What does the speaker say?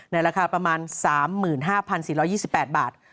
ราคาประมาณ๓๕๔๒๘บาท